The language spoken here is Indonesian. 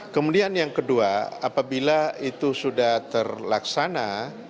kemudian yang kedua apabila itu sudah terlaksana